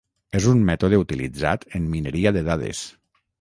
És un mètode utilitzat en mineria de dades.